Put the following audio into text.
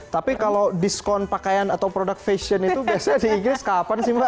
tapi kalau diskon pakaian atau produk fashion itu biasanya di inggris kapan sih mbak